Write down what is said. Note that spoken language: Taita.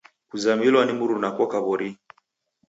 Kuzamilwa ni mruna koka w'orinyi.